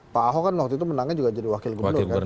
pak ahok kan waktu itu menangnya juga jadi wakil gubernur kan